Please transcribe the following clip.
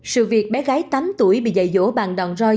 sự việc bé gái tám tuổi bị dạy dỗ bằng đòn roi